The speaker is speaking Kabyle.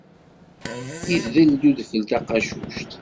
Idel-d udfel taqacuct.